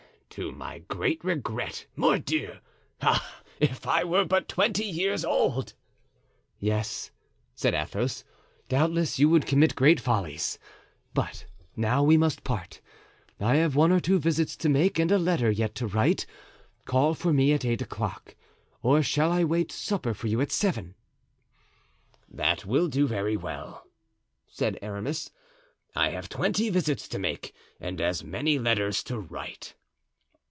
"To my great regret, mordieu! Ah, if I were but twenty years old!" "Yes," said Athos, "doubtless you would commit great follies! But now we must part. I have one or two visits to make and a letter yet to write. Call for me at eight o'clock or shall I wait supper for you at seven?" "That will do very well," said Aramis. "I have twenty visits to make and as many letters to write."